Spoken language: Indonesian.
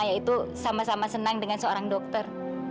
yaitu sama sama senang dengan seorang dokter